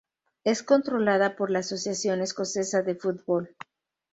Es controlada por la Asociación Escocesa de Fútbol.